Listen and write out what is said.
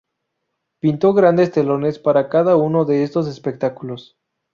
Pintó grandes telones para cada uno de estos espectáculos.